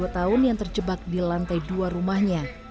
dua tahun yang terjebak di lantai dua rumahnya